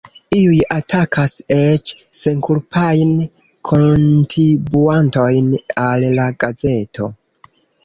Iuj atakas eĉ senkulpajn kontibuantojn al la gazeto.